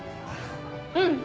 うん。